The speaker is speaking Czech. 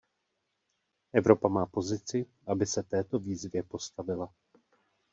Evropa má pozici, aby se této výzvě postavila.